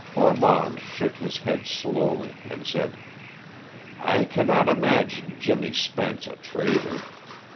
Ormond shook his head slowly and said "I cannot imagine Jimmy Spence a traitor.